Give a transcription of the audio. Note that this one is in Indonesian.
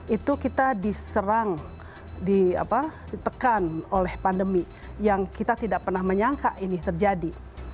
itu kita diserang ditekan oleh pandemi yang kita tidak pernah menyangka ini terjadi